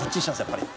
やっぱり。